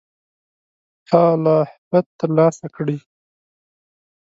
هعلْهبت تر لاسَ کړئ.